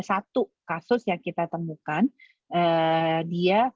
satu kasus yang kita temukan dia